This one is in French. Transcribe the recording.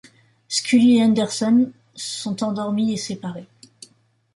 Scully et Henderson sont endormies et séparées.